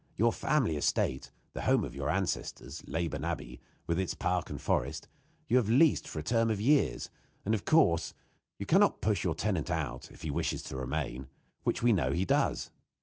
Your family estate the home of your ancestors Leyburn Abbey, with its park and forest, you have leased for a term of years; and, of course, you can not push your tenant out, if he wishes to remain, which we know he does.